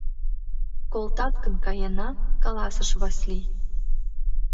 Колтат гын, каена, — каласыш Васлий.